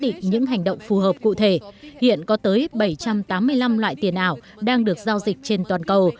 định những hành động phù hợp cụ thể hiện có tới bảy trăm tám mươi năm loại tiền ảo đang được giao dịch trên toàn cầu